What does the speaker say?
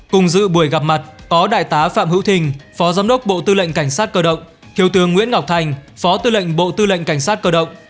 cùng dự buổi gặp mặt có đại tá phạm hữu thình phó giám đốc bộ tư lệnh cảnh sát cơ động thiếu tướng nguyễn ngọc thành phó tư lệnh bộ tư lệnh cảnh sát cơ động